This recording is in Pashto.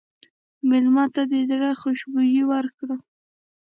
مېلمه ته د زړه خوشبويي ورکړه.